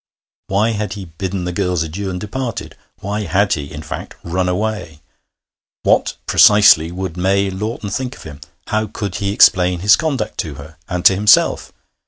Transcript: Why had he bidden the girls adieu and departed? Why had he, in fact, run away? What precisely would May Lawton think of him? How could he explain his conduct to her and to himself?